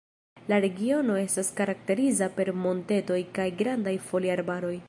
La regiono estas karakterizita per montetoj kaj grandaj foliarbaroj.